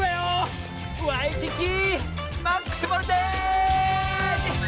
ワイキキマックスボルテージ！